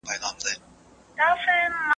عدالت د سولې او برابرۍ بنسټ دی.